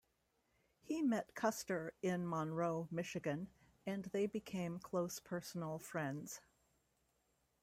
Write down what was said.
He met Custer in Monroe, Michigan, and they became close personal friends.